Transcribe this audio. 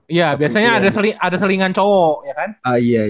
iya biasanya ada selingan cowok ya kan